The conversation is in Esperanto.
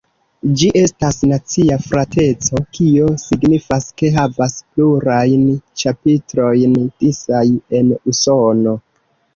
Ĝi estas nacia frateco, kio signifas ke havas plurajn ĉapitrojn disaj en Usono.